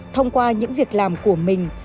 thông qua những việc làm của mình